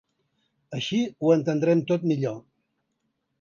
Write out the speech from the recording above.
Així ho entendrem tot millor.